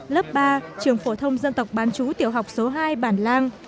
lớp ba trường phổ thông dân tộc bán chú tiểu học số hai bản lang